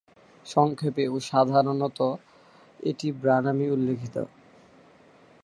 সংক্ষেপে ও সাধারণত এটি ব্রা নামেই উল্লেখিত।